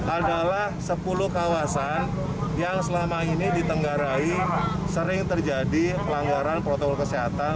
adalah sepuluh kawasan yang selama ini ditenggarai sering terjadi pelanggaran protokol kesehatan